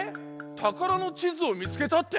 たからのちずをみつけたって？